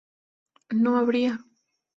no habría